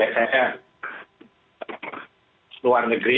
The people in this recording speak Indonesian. saya luar negeri